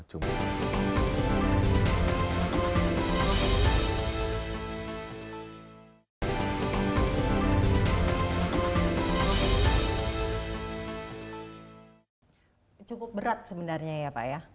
cukup berat sebenarnya ya pak ya